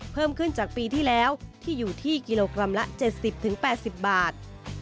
เพิ่มขึ้นจากปีที่แล้วที่อยู่ที่กิโลกรัมละ๗๐๘๐บาท